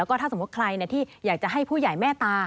แล้วก็ถ้าสมมุติใครที่อยากจะให้ผู้ใหญ่แม่ตา